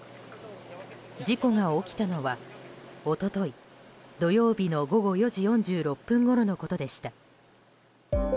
事故が起きたのは一昨日土曜日の午後４時４６分ごろのことでした。